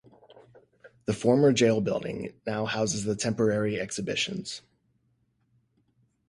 The former jail building now houses the temporary exhibitions.